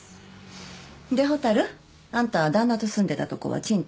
で蛍あんた旦那と住んでたとこは賃貸？